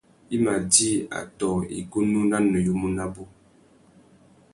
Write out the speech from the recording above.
I mà djï atõh igunú na nuyumu nabú.